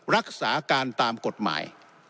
รักษาการตามกฎหมาย